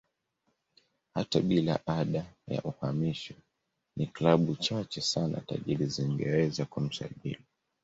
Hata bila ada ya uhamisho ni klabu chache sana tajiri zingeweza kumsajili